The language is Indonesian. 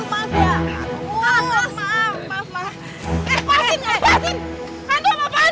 hah mau lawan